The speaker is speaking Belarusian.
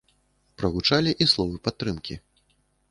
Прагучалі і словы падтрымкі.